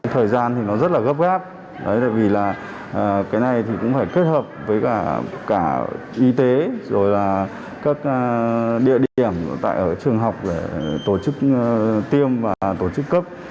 thời gian thì nó rất là gấp gáp tại vì là cái này thì cũng phải kết hợp với cả y tế rồi là các địa điểm ở trường học để tổ chức tiêm và tổ chức cấp